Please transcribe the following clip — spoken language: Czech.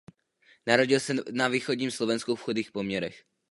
Narodil se na východním Slovensku v chudých poměrech.